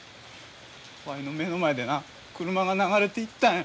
わいの目の前でな車が流れていったんや。